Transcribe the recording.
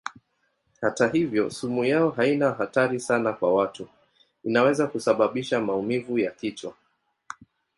Hata hivyo sumu yao haina hatari sana kwa watu; inaweza kusababisha maumivu ya kichwa.